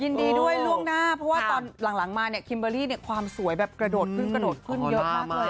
ยินดีด้วยล่วงหน้าเพราะว่าตอนหลังมาคิมเบอร์รี่ความสวยแบบกระโดดขึ้นเยอะมากเลย